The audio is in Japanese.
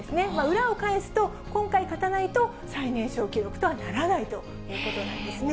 裏を返すと、今回勝たないと最年少記録とはならないということなんですね。